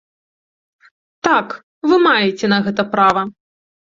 Так, вы маеце на гэта права.